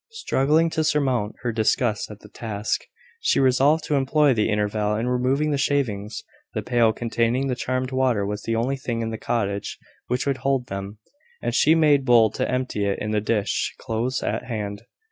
Struggling to surmount her disgust at the task, she resolved to employ the interval in removing the shavings. The pail containing the charmed water was the only thing in the cottage which would hold them; and she made bold to empty it in the ditch close at hand.